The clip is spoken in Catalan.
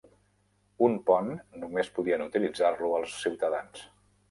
Un pont només podien utilitzar-lo els ciutadans.